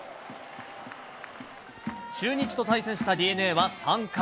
中日と対戦したＤｅＮＡは３回。